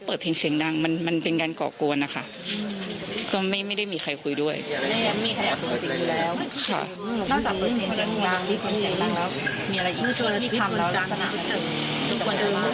เปิดเพลงเสียงดังมีคนเสียงดังแล้วมีอะไรอีกมีความรับความรับ